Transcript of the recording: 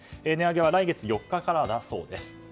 値上げは来月４日からだそうです。